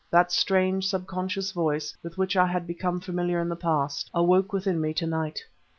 That strange, subconscious voice, with which I had become familiar in the past, awoke within me to night.